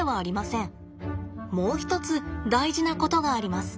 もう一つ大事なことがあります。